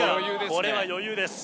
これはもう余裕ですね